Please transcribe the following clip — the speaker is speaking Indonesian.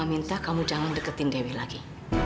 minta kamu jangan deketin dewi lagi